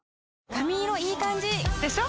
髪色いい感じ！でしょ？